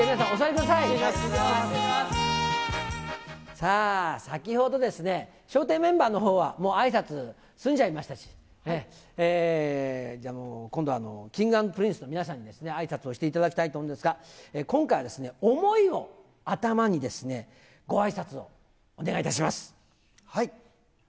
さあ、先ほどですね、笑点メンバーのほうは、もうあいさつ、済んじゃいましたし、じゃあもう、今度はＫｉｎｇ＆Ｐｒｉｎｃｅの皆さんにあいさつをしていただきたいと思うんですが、今回は、想いを頭にごあいさつをお願いいたします。